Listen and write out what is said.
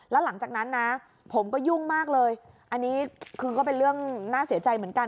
แล้วหลังจากนั้นนะผมก็ยุ่งมากเลยอันนี้คือก็เป็นเรื่องน่าเสียใจเหมือนกัน